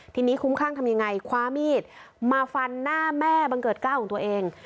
ทีนี้คุ้มข้างทำยังไงคว้ามีดมาฟันหน้าแม่บังเกิดก้าวของตัวเอง